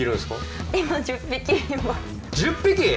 １０匹！？